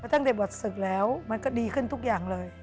ตั้งแต่บวชศึกแล้วมันก็ดีขึ้นทุกอย่างเลย